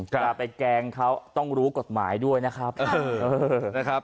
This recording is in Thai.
จะไปแกล้งเขาต้องรู้กฎหมายด้วยนะครับ